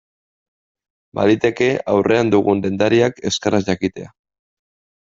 Baliteke aurrean dugun dendariak euskaraz jakitea.